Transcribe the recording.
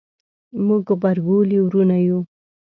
موږ غبرګولي وروڼه یو